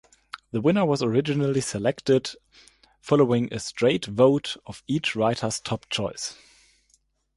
The winner was originally selected following a straight vote of each writer's top choice.